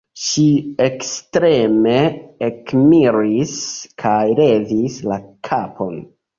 Ŝi ekstreme ekmiris kaj levis la kapon: